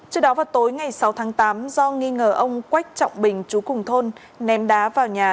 trước đó vào tối ngày sáu tháng tám do nghi ngờ ông quách trọng bình chú cùng thôn ném đá vào nhà